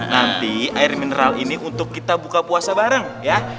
nanti air mineral ini untuk kita buka puasa bareng ya